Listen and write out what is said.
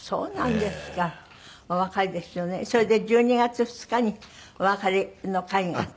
それで１２月２日にお別れの会があった。